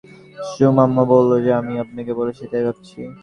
সুমামা বলল, যা আমি আপনাকে বলেছি তাই ভাবছি।